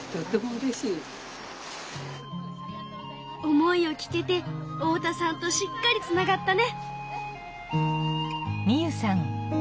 思いを聞けて太田さんとしっかりつながったね。